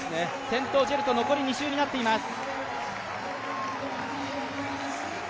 先頭、ジェルト、残り２周になっています。